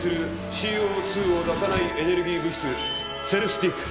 ＣＯ２を出さないエネルギー物質セルスティック